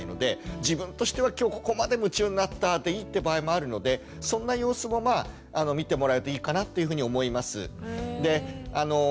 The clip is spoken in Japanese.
自分としては「今日ここまで夢中になった」でいいって場合もあるのでそんな様子もまあ見てもらうといいかなというふうに思います。